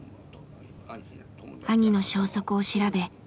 兄の消息を調べ